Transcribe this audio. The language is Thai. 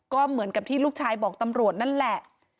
ก็เหมือนกับที่ลูกชายบอกตำรวจนั่นแหละ